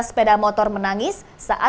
sepeda motor menangis saat